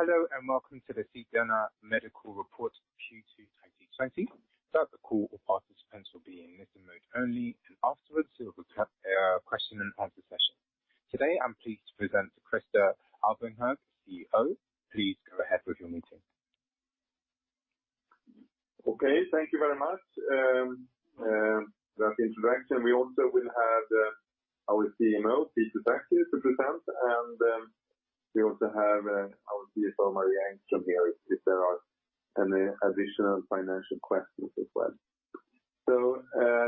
Hello and welcome to the Sedana Medical Report Q2 2020. Throughout the call, all participants will be in listen mode only, and afterwards we'll have a question and answer session. Today I'm pleased to present to Christer Ahlberg, CEO. Please go ahead with your meeting. Okay, thank you very much. That introduction, we also will have our CMO, Peter Sackey, to present, and we also have our CFO, Maria Engström, here if there are any additional financial questions as well, so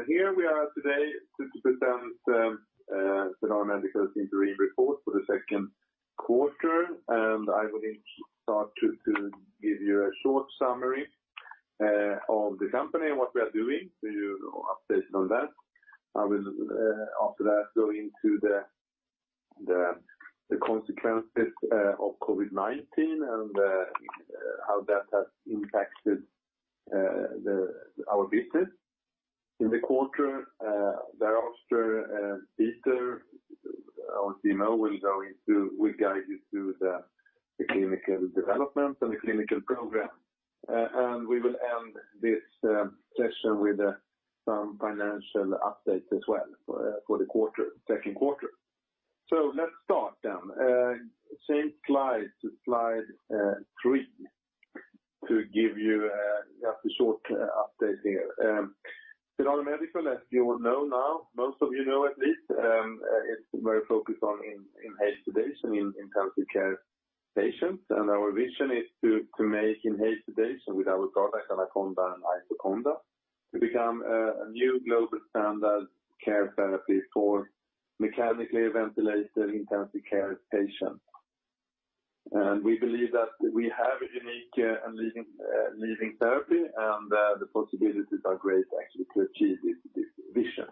here we are today to present Sedana Medical's interim report for the second quarter, and I would start to give you a short summary of the company and what we are doing, so you're updated on that. I will, after that, go into the consequences of COVID-19 and how that has impacted our business in the quarter. Thereafter, Peter, our CMO, will guide you through the clinical development and the clinical program, and we will end this session with some financial updates as well for the second quarter, so let's start then. Same slide, slide three, to give you a short update here. Sedana Medical, as you all know now, most of you know at least, is very focused on inhaled sedation in intensive care patients, and our vision is to make inhaled sedation with our product, AnaConDa and IsoConDa, to become a new global standard care therapy for mechanically ventilated intensive care patients. We believe that we have a unique and leading therapy, and the possibilities are great, actually, to achieve this vision.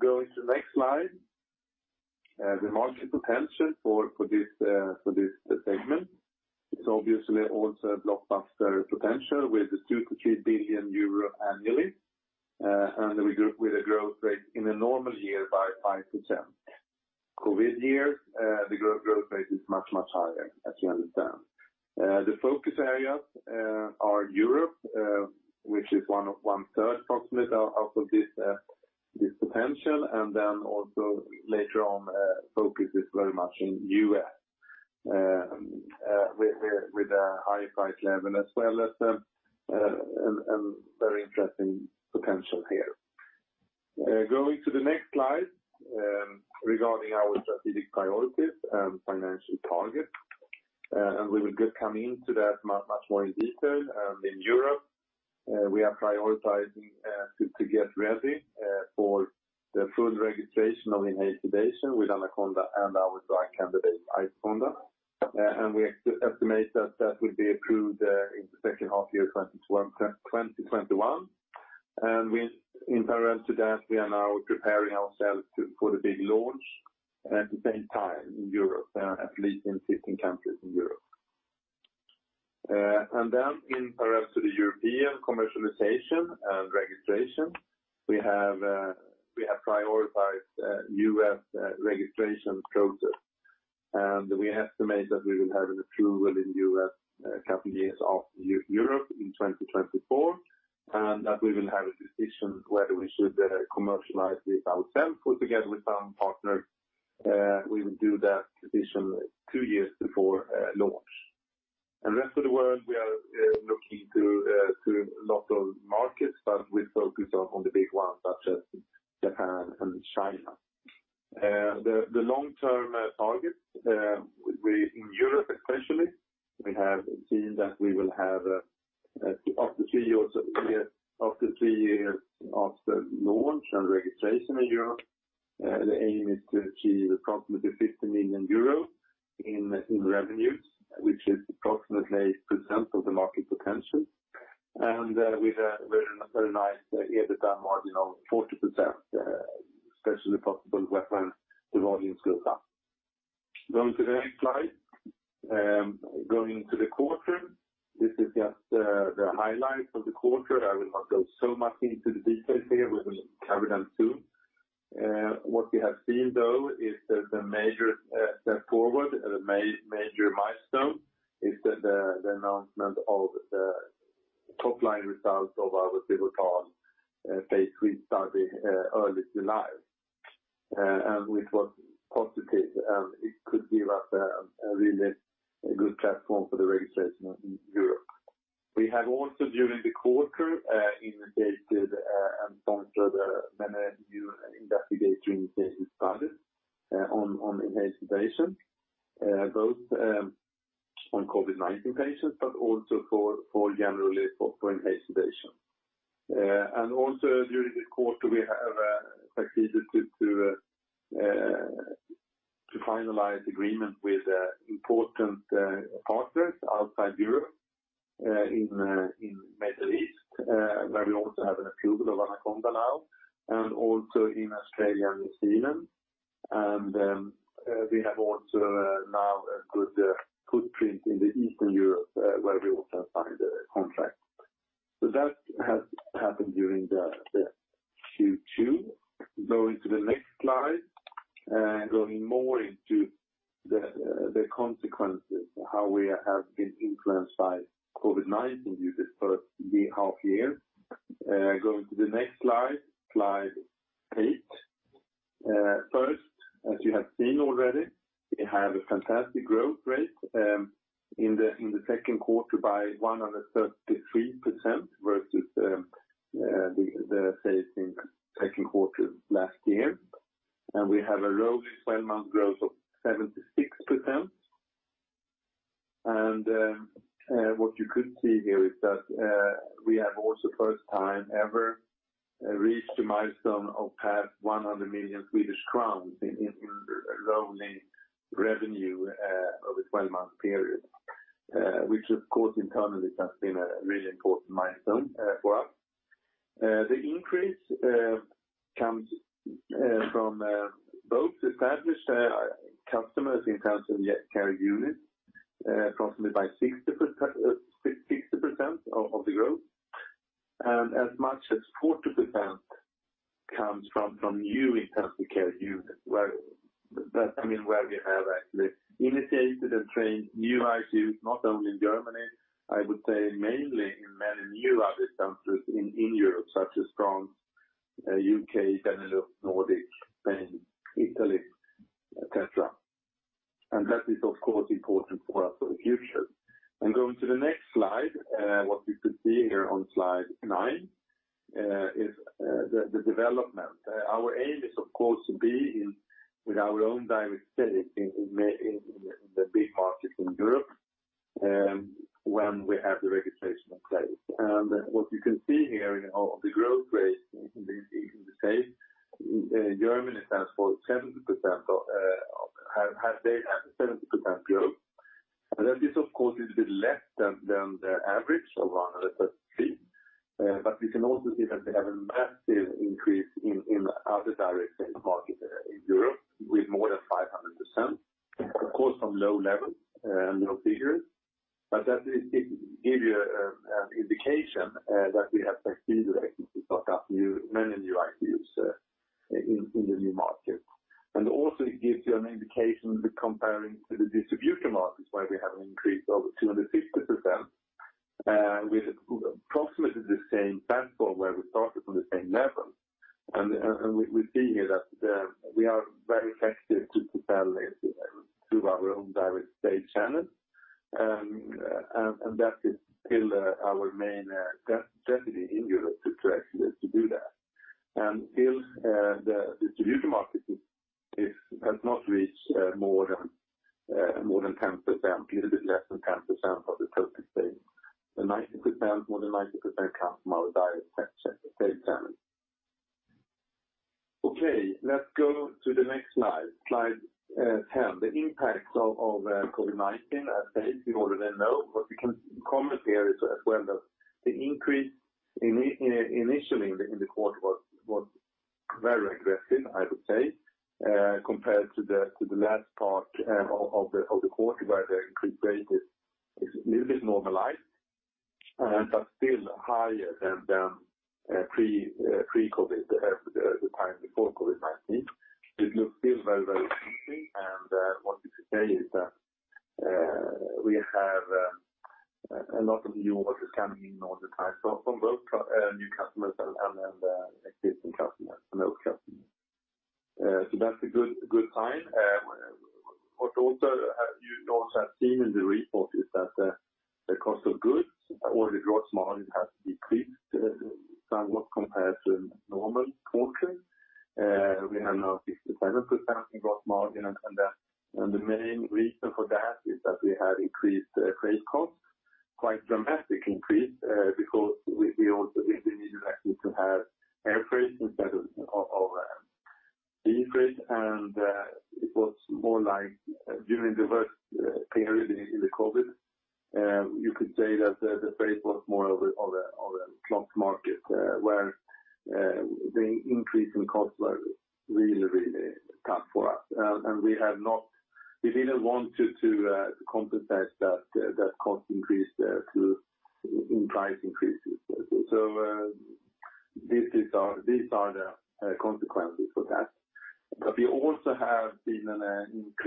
Going to the next slide, the market potential for this segment is obviously also a blockbuster potential with the 2 billion-3 billion euro annually, and with a growth rate in a normal year by 5%. COVID years, the growth rate is much, much higher, as you understand. The focus areas are Europe, which is one of 1/3 approximately of this potential, and then also later on, focus is very much in the U.S. with a high price level, as well as a very interesting potential here. Going to the next slide regarding our strategic priorities and financial targets, and we will come into that much more in detail. In Europe, we are prioritizing to get ready for the full registration of inhaled sedation with AnaConDa and our drug candidate, IsoConDa. We estimate that that will be approved in the second half of year 2021. In parallel to that, we are now preparing ourselves for the big launch at the same time in Europe, at least in 15 countries in Europe. In parallel to the European commercialization and registration, we have prioritized U.S. registration process. We estimate that we will have an approval in the U.S. a couple of years after Europe in 2024, and that we will have a decision whether we should commercialize this ourselves or together with some partners. We will do that decision two years before launch. The rest of the world, we are looking to lots of markets, but we focus on the big ones such as Japan and China. The long-term targets in Europe, especially, we have seen that we will have after three years after launch and registration in Europe, the aim is to achieve approximately 50 million euros in revenues, which is approximately 8% of the market potential. We have a very nice EBITDA margin of 40%, especially possible when the volumes go up. Going to the next slide. Going to the quarter, this is just the highlights of the quarter. I will not go so much into the details here. We will cover them soon. What we have seen, though, is that the major step forward, the major milestone, is the announcement of the top-line results of our pivotal phase III study early July, and it was positive, and it could give us a really good platform for the registration in Europe. We have also, during the quarter, initiated and sponsored many new investigator-initiated studies on ICU patients, both on COVID-19 patients, but also generally for ICU patients, and also, during the quarter, we have succeeded to finalize agreements with important partners outside Europe in the Middle East, where we also have an approval of AnaConDa now, and also in Australia and New Zealand, and we have also now a good footprint in Eastern Europe, where we also signed a contract, so that has happened during the Q2. Going to the next slide, going more into the consequences, how we have been influenced by COVID-19 during the first half year. Going to the next slide, slide eight. First, as you have seen already, we have a fantastic growth rate in the second quarter by 133% versus the same second quarter last year. And we have a rolling 12-month growth of 76%. And what you could see here is that we have also first time ever reached a milestone of past 100 million Swedish crowns in rolling revenue over a 12-month period, which, of course, internally has been a really important milestone for us. The increase comes from both established customers in intensive care units, approximately by 60% of the growth, and as much as 40% comes from new intensive care units, where I mean we have actually initiated and trained new ICUs, not only in Germany. I would say mainly in many new ICU centers in Europe, such as France, U.K., Benelux, Nordics, Spain, Italy, etc. And that is, of course, important for us for the future. And going to the next slide, what you could see here on slide nine is the development. Our aim is, of course, to be with our own direct stake in the big markets in Europe when we have the registration in place. And what you can see here in the growth rate in the stake, Germany stands for 70%, has 70% growth. And that is, of course, a little bit less than the average of 133%. But we can also see that we have a massive increase in other direct markets in Europe with more than 500%, of course, from low levels, low figures. But that gives you an indication that we have succeeded to start up many new ICUs in the new market. And also, it gives you an indication comparing to the distribution markets, where we have an increase of 250% with approximately the same platform where we started from the same level. And we see here that we are very effective to sell through our own direct sales channels. And that is still our main strategy in Europe to actually do that. And still, the distribution market has not reached more than 10%, a little bit less than 10% of the total sales. More than 90% comes from our direct sales channels. Okay, let's go to the next slide, slide 10, the impacts of COVID-19 as stated. We already know what we can comment here, as well as the increase initially in the quarter was very aggressive, I would say, compared to the last part of the quarter, where the increase rate is a little bit normalized, but still higher than pre-COVID, the time before COVID-19. It looks still very, very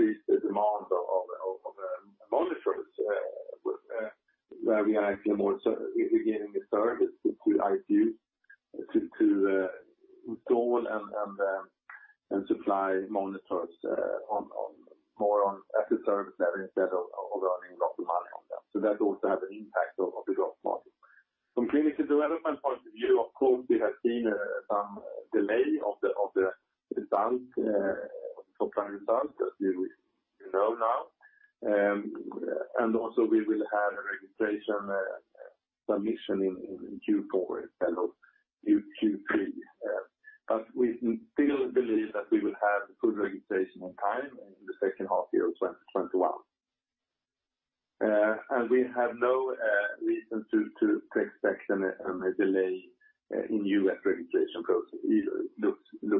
somewhat compared to normal quarter. We have now 67% gross margin. The main reason for that is that we had increased freight costs, quite dramatic increase, because we needed actually to have air freight instead of sea freight. It was more like during the worst period in the COVID. You could say that the freight was more of a black market, where the increase in costs was really, really tough for us. We didn't want to compensate that cost increase through price increases. These are the consequences for that. We also have seen an increased demand of monitors, where we are actually more giving a service to ICUs to install and supply monitors more at the service level instead of earning lots of money on them. That also has an impact on the gross margin. From clinical development point of view, of course, we have seen some delay of the top-line results, as you know now, and also, we will have a registration submission in Q4 instead of Q3. But we still believe that we will have full registration on time in the second half year of 2021, and we have no reason to expect a delay in U.S. registration process either. It looks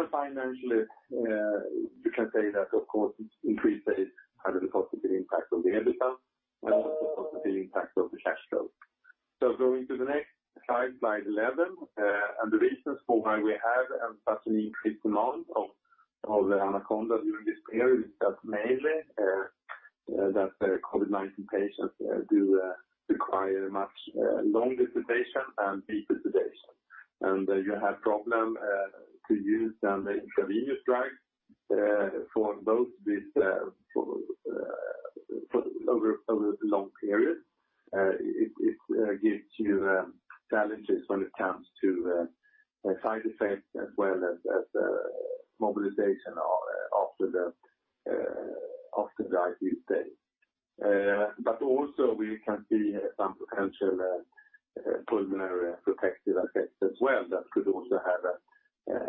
good. And financially, you can say that, of course, increased rates had a positive impact on the EBITDA and also a positive impact on the cash flow. So going to the next slide, slide 11, and the reasons for why we have such an increased demand of AnaConDa during this period is that mainly that COVID-19 patients do require much longer sedation and deeper sedation. And you have a problem to use the intravenous drugs for those with over a long period. It gives you challenges when it comes to side effects, as well as mobilization after the ICU stay. But also, we can see some potential pulmonary protective effects as well that could also have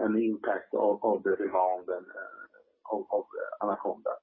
an impact on the demand of AnaConDa.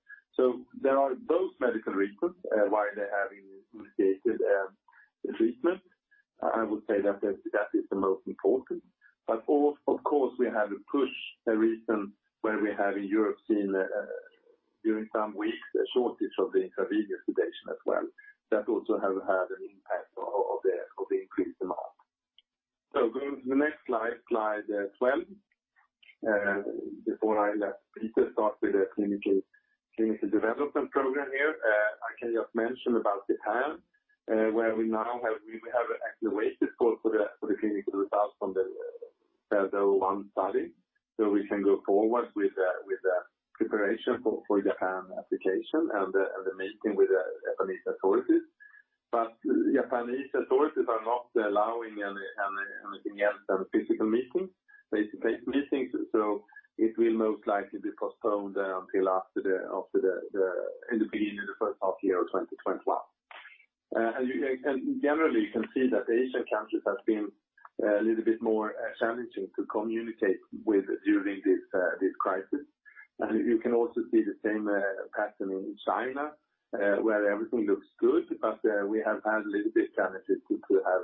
where everything looks good, but we have had a little bit of challenges to have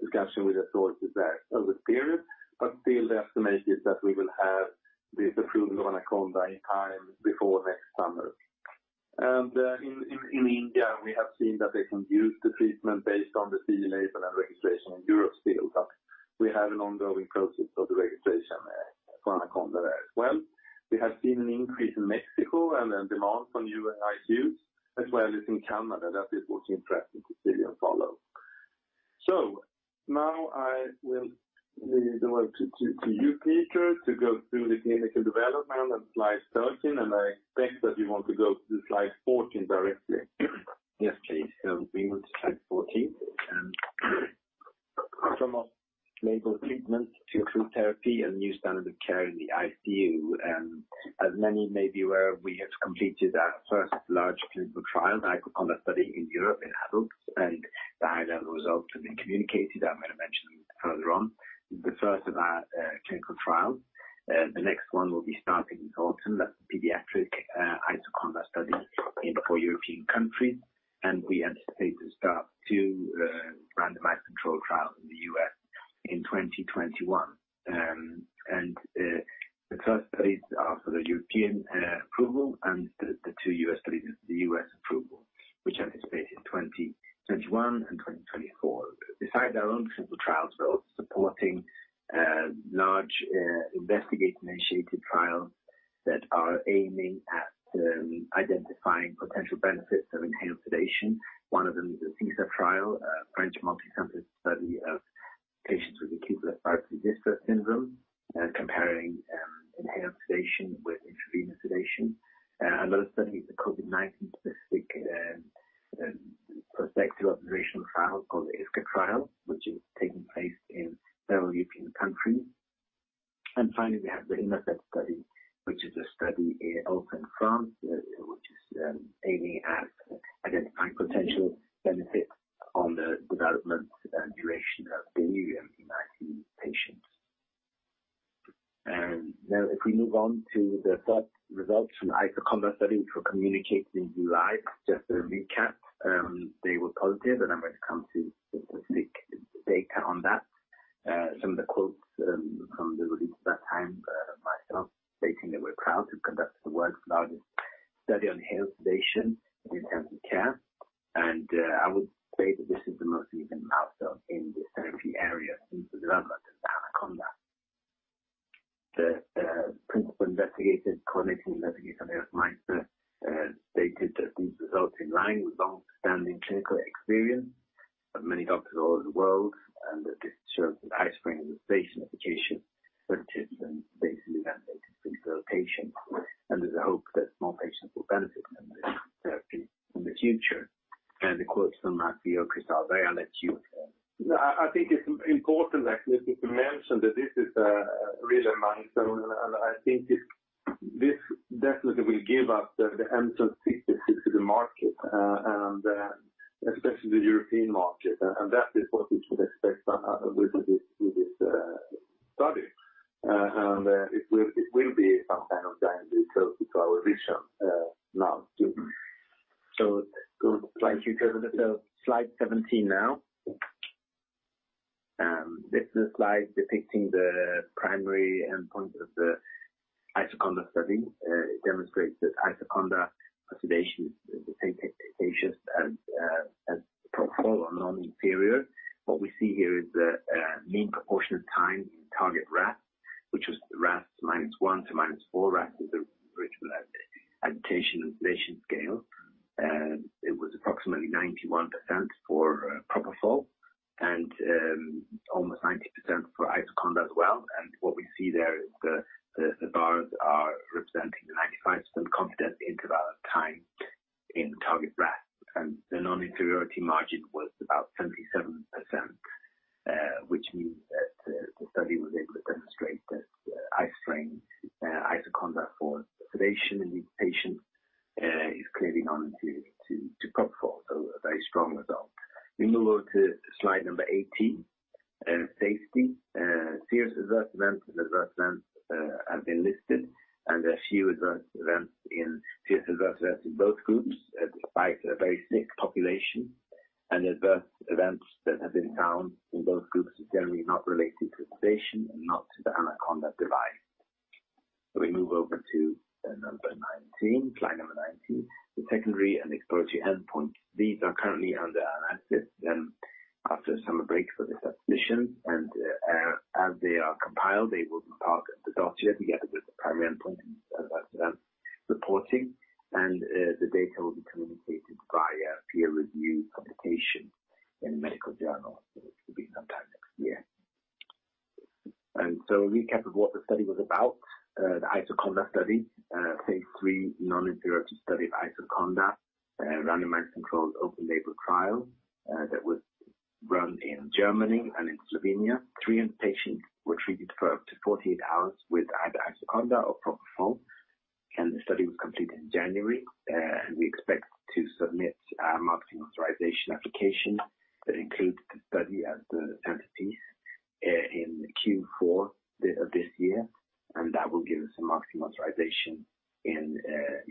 discussion with authorities there over the period. But still, the estimate is that we will have this approval of AnaConDa in time before next summer. And in India, we have seen that they can use the treatment based on the CE label and registration in Europe still. But we have an ongoing process of the registration for AnaConDa there as well. We have seen an increase in Mexico and then demand for new ICUs, as well as in Canada. That is what's interesting to see and follow. So now I will leave the word to you, Peter, to go through the clinical development and slide 13. And I expect that you want to go to slide 14 directly. Yes, please. We move to slide 14. And from our label treatment to approved therapy and new standard of care in the ICU. As many may be aware, we have completed our first large clinical trial, the IsoConDa study in Europe in adults. The high-level results have been communicated. I'm going to mention them further on. The first of our clinical trials. The next one will be starting this autumn. That's a pediatric IsoConDa study in four European countries. We anticipate to start two randomized control trials in the U.S. in 2021. The first studies are for the European approval, and the two U.S. studies are for the U.S. approval, which anticipate in 2021 and 2024. Besides our own clinical trials, we're also supporting large investigate-initiated trial that are aiming at identifying potential benefits of inhaled sedation. One of them is a SESAR trial, a French multicenter study of patients with acute respiratory distress syndrome, comparing inhaled sedation with intravenous sedation. Another study is a COVID-19 specific prospective observational trial called the ISCA trial, which is taking place in several European countries, and finally, we have the INASED study, which is a study also in France, which is aiming at identifying potential benefits on the development and duration of delirium in ICU patients, and now, if we move on to the third results from the IsoConDa study, which were communicated in July, just a recap. They were positive, and I'm going to come to specific data on that. Some of the quotes from the release at that time, myself stating that we're proud to conduct the world's largest study on inhaled sedation in intensive care, and I would say that this is the most recent milestone in the therapy area since the development of the AnaConDa. The principal investigator, coordinating investigator, Andreas Meiser, stated that these results align with long-standing clinical experience of many doctors all over the world, and this shows that isoflurane is a safe medication for the kids and basically that they can treat real patients, and there's a hope that small patients will benefit from this therapy in the future, and the quotes from our CEO, Christer Ahlberg, I'll let you. I think it's important actually to mention that this is really a milestone. And I think this definitely will give us the entry to the market, and especially the European market. And that is what we should expect with this study. And it will be. Some kind of giant leap closer to our vision now too. Going to slide 17. This is a slide depicting the primary endpoint of the IsoConDa study. It demonstrates that IsoConDa sedation is the same as propofol or non-inferior. What we see here is the mean proportion of time in target RASS, which was RASS -1 to -4. RASS is the Richmond Agitation-Sedation Scale. It was approximately 91% for propofol And so a recap of what the study was about. The IsoConDa study, phase III, non-inferiority study of IsoConDa, randomized controlled open-label trial that was run in Germany and in Slovenia. 300 patients were treated for up to 48 hours with either IsoConDa or propofol. The study was completed in January. We expect to submit a marketing authorization application that includes the study as the centerpiece in Q4 of this year. That will give us a marketing authorization in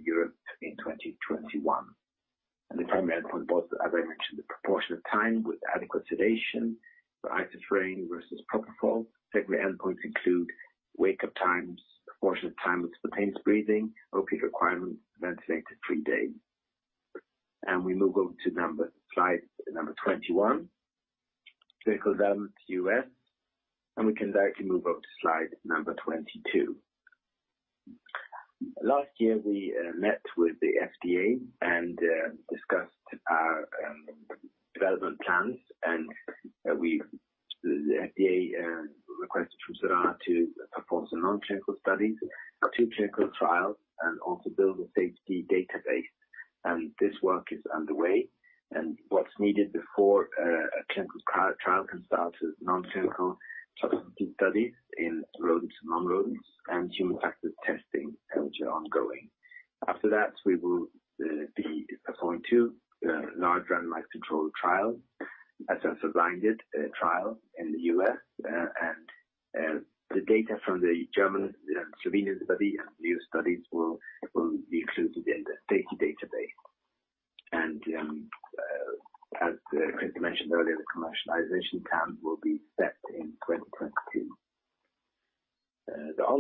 Europe in 2021. The primary endpoint was, as I mentioned, the proportion of time with adequate sedation for isoflurane versus propofol. Secondary endpoints include wake-up times, proportion of time with spontaneous breathing, opiate requirement, ventilator-free days. We move over to slide number 21, clinical development US. We can directly move over to slide number 22. Last year, we met with the FDA and discussed our development plans. The FDA requested from Sedana to perform some non-clinical studies, two clinical trials, and also build a safety database. This work is underway. What's needed before a clinical trial can start is non-clinical substances studies in rodents and non-rodents and human factors testing, which are ongoing. After that, we will be performing two large randomized controlled trial, assessor-blinded trial in the U.S. The data from the German and Slovenian study and the new studies will be included in the safety database. As Chris mentioned earlier, the commercialization term will be set in 2022.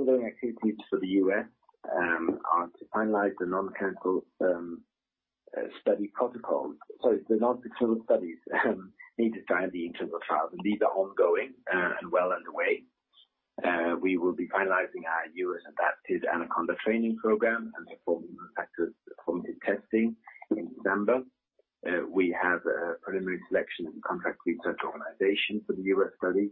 The ongoing activities for the U.S. are to finalize the non-clinical study protocols. Sorry, the non-clinical studies need to start the internal trials. These are ongoing and well underway. We will be finalizing our U.S.-adapted AnaConDa training program and performing human factors testing in December. We have a preliminary selection of the contract research organization for the U.S. study.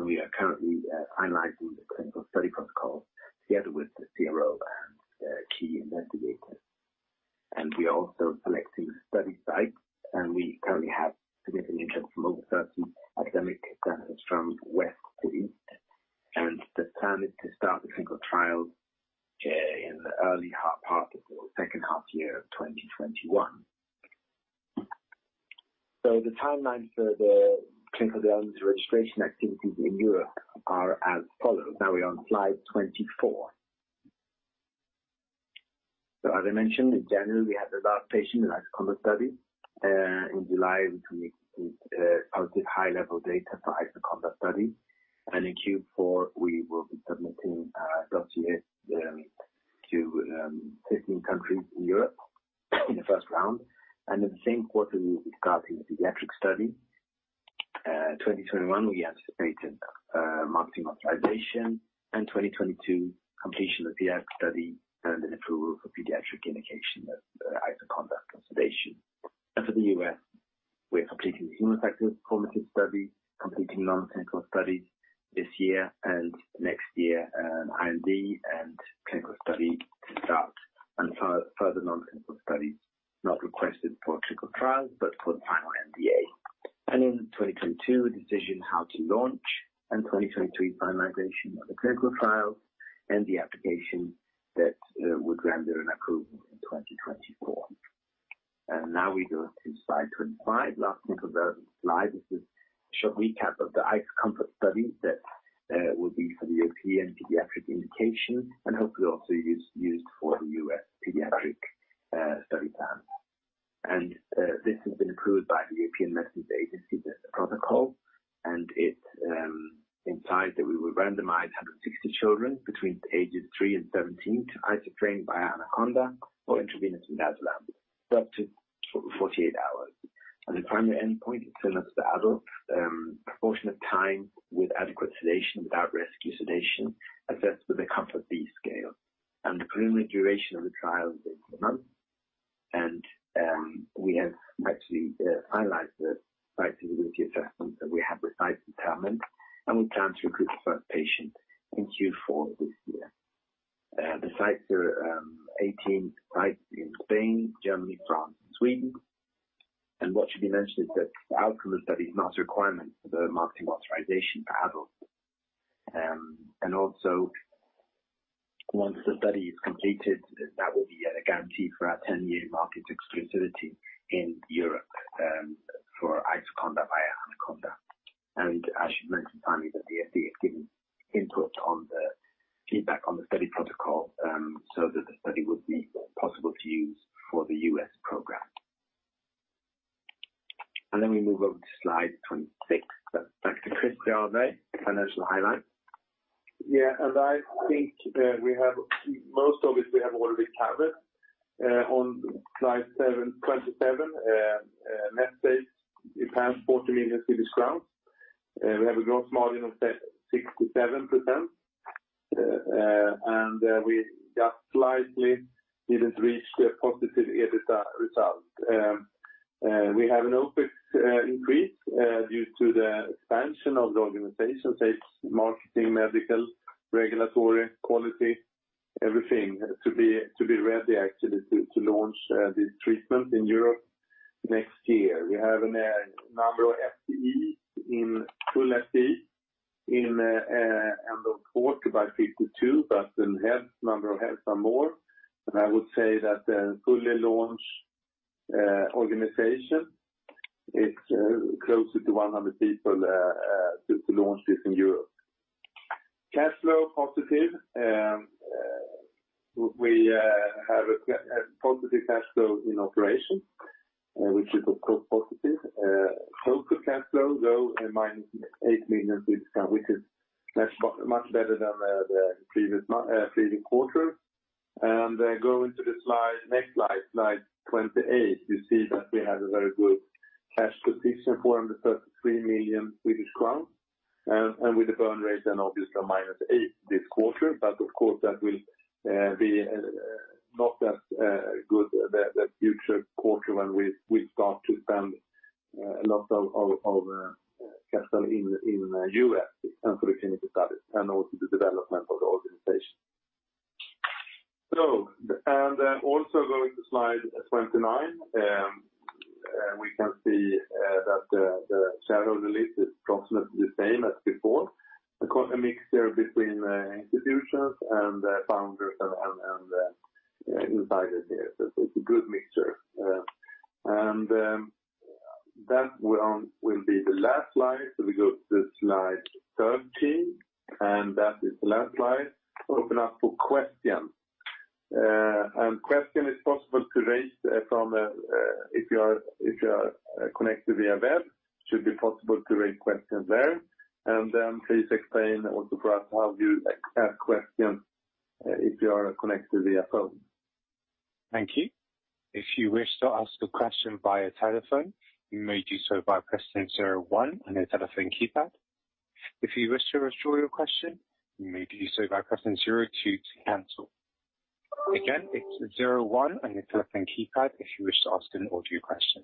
We are currently finalizing the clinical study protocols together with the CRO and key investigators. We are also selecting study sites. We currently have significant interest from over 30 academic centers from Western Europe. The plan is to start the clinical trials in the early half part of the second half year of 2021. The timeline for the clinical development registration activities in Europe are as follows. Now we're on slide 24. As I mentioned, in January, we had the last patient in the IsoConDa study. In July, we completed positive high-level data for IsoConDa study. In Q4, we will be submitting our dossiers to 15 countries in Europe in the first round. In the same quarter, we will be starting the pediatric study. 2021, we anticipated marketing authorization. In 2022, completion of the pediatric study and the approval for pediatric indication of AnaConDa for sedation. For the US, we're completing the human factors formative study, completing non-clinical studies this year and next year, and IND and clinical study to start. Further non-clinical studies not requested for clinical trials, but for the final NDA. In 2022, a decision how to launch and 2023 finalization of the clinical trials and the application that would render an approval in 2024. Now we go to slide 25. Last clinical development slide. This is a short recap of the IsoCOMFORT study that will be for the European pediatric indication and hopefully also used for the U.S. pediatric study plan. This has been approved by the European Medicines Agency protocol. And it implies that we will randomize 160 children between ages 3 and 17 to isoflurane via AnaConDa or intravenous midazolam up to 48 hours. And the primary endpoint is similar to the adult. Proportion of time with adequate sedation without rescue sedation assessed with a COMFORT-B Scale. And the preliminary duration of the trial is 18 months. And we have actually finalized the site feasibility assessment that we have with site initiators. And we plan to recruit the first patient in Q4 this year. The sites are 18 sites in Spain, Germany, France, and Sweden. And what should be mentioned is that the outcome of the study is not a requirement for the marketing authorization for adults. And also, once the study is completed, that will be a guarantee for our 10-year market exclusivity in Europe for IsoConDa via AnaConDa. As you mentioned finally, the FDA has given input on the feedback on the study protocol so that the study would be possible to use for the U.S. program. And then we move over to slide 26. Back to Christer Ahlberg, financial highlights. Yeah. And I think we have most of it we have already covered on slide 27. Net sales in past 40 million. We have a gross margin of 67%. And we just slightly didn't reach the positive EBITDA result. We have an OpEx increase due to the expansion of the organization's marketing, medical, regulatory, quality, everything to be ready actually to launch this treatment in Europe next year. We have a number of FTE in full [50 in end of 40 by Q2,] but a number of heads are more. And I would say that the fully launched organization is closer to 100 people to launch this in Europe. Cash flow positive. We have a positive cash flow in operations, which is, of course, positive. Total cash flow, though, minus 8 million, which is much better than the previous quarter. And going to the next slide, slide 28, you see that we have a very good cash position, 433 million Swedish crowns. And with a burn rate then obviously of -8 this quarter. But of course, that will be not as good the future quarter when we start to spend a lot of capital in the U.S. and for the clinical studies and also the development of the organization. So also going to slide 29, we can see that the shadow release is approximately the same as before. A mixture between institutions and founders and insiders here. So it's a good mixture. And that will be the last slide. So we go to slide 13. And that is the last slide. Open up for questions. And questions is possible to raise from if you are connected via web. It should be possible to raise questions there. Please explain also for us how you ask questions if you are connected via phone. Thank you. If you wish to ask a question via telephone, you may do so by pressing zero one on your telephone keypad. If you wish to restore your question, you may do so by pressing zero two to cancel. Again, it's zero one on your telephone keypad if you wish to ask an audio question.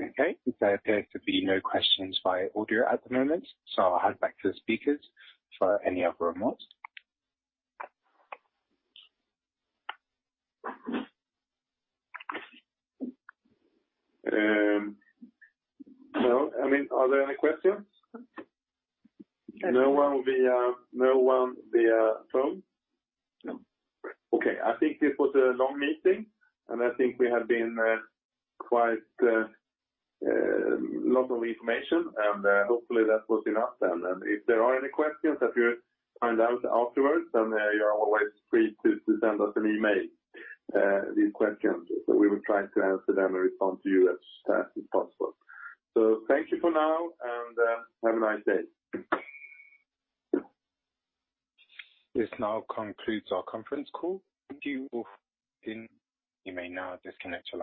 Okay. There appear to be no questions via audio at the moment. So I'll hand back to the speakers for any other remarks. No. I mean, are there any questions? No one via phone? Okay. I think this was a long meeting, and I think we have been quite a lot of information, and hopefully, that was enough then, and if there are any questions that you find out afterwards, then you're always free to send us an email, these questions, so we will try to answer them and respond to you as fast as possible, so thank you for now, and have a nice day. This now concludes our conference call. You may now disconnect from.